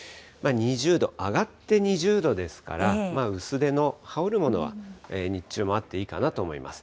２０度、上がって２０度ですから、薄手の羽織るものは日中もあっていいかなと思います。